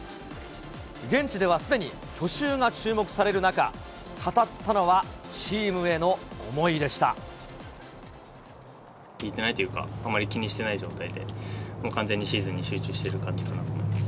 現地ではすでに去就が注目される中、語ったのはチームへの思いで聞いてないというか、あまり気にしてない状態で、完全にシーズンに集中している感じかなと思います。